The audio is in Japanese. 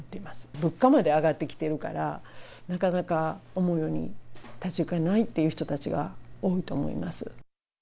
物価まで上がってきてるから、なかなか思うように立ち行かないっていう人たちが多いと思います。